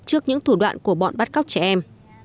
trước những thủ đoạn của bọn bắt cóc trẻ em